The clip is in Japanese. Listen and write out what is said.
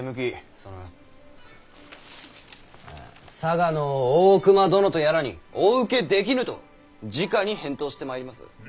その佐賀の大隈殿とやらにお受けできぬとじかに返答してまいります。